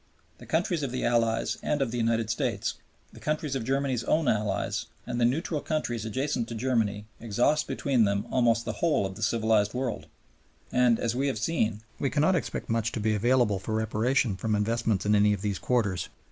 The countries of the Allies and of the United States, the countries of Germany's own allies, and the neutral countries adjacent to Germany exhaust between them almost the whole of the civilized world; and, as we have seen, we cannot expect much to be available for Reparation from investments in any of these quarters.